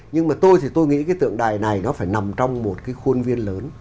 nhưng mà tôi thì tôi nghĩ cái tượng đài này nó phải nằm trong một cái khuôn viên lớn